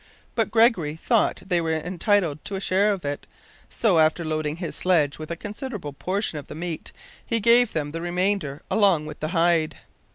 But Gregory thought they were entitled to a share of it, so, after loading his sledge with a considerable portion of the meat, he gave them the remainder along with the hide.